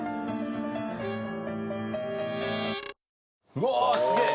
うわーすげえ！